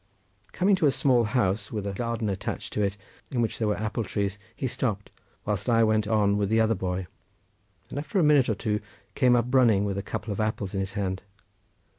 Coming to a small house, with a garden attached to it, in which there were apple trees, he stopped, whilst I went on with the other boy, and after a minute or two came running up with a couple of apples in his hand.